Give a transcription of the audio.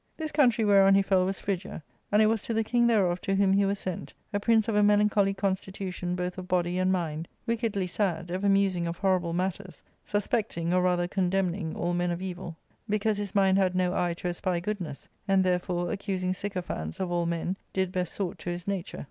" This country whereon he fell was Phrygia, and it was to the king thereof to whom he was sent, a prince of a melan choly constitution both of body and mind ; wickedly sad, ever musing of horrible matters ; suspecting, or, rather, ^condemning, all men of evil, because his mind had no eye to espy goodness ; and, therefore, accusing sycophants, of all men, did best sort to his nature.